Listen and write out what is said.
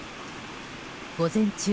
午前中